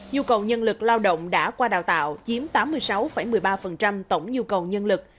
nhu cầu nhân lực lao động đã qua đào tạo chiếm tám mươi sáu một mươi ba tổng nhu cầu nhân lực